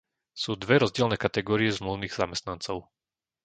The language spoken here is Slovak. Sú dve rozdielne kategórie zmluvných zamestnancov.